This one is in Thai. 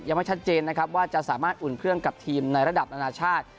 ยังไม่ชัดเจนนะครับว่าจะสามารถอุ่นเครื่องกับทีมในระดับนานาชาติ